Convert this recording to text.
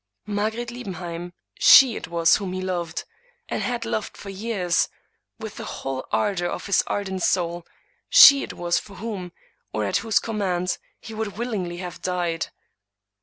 Margaret Liebenheim, she it was whom he loved, and had loved for years, with the whole ardor of his ardent soul; she it was for whom, or at whose command, he would willingly have died.